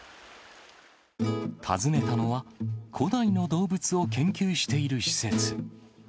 訪ねたのは、古代の動物を研究している施設。